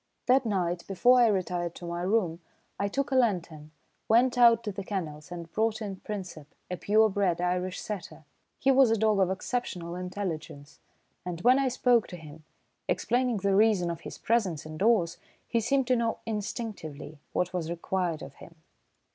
That night, before I retired to my room, I took a lantern, went out to the kennels and brought in Princep, a pure bred Irish setter. He was a dog of exceptional intelligence, and when I spoke to him, explaining the reason of his presence indoors, he seemed to know instinctively what was required of him.